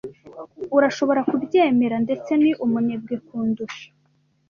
Urashobora kubyemera? Ndetse ni umunebwe kundusha.